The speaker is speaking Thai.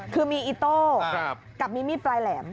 คือมีอิโต้กับมีมีดปลายแหลม